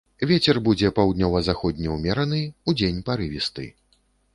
Вецер будзе паўднёва-заходні ўмераны, удзень парывісты.